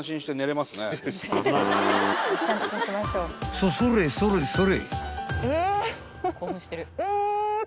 ［そそれそれそれ］